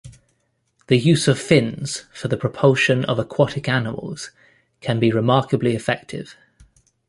The use of fins for the propulsion of aquatic animals can be remarkably effective.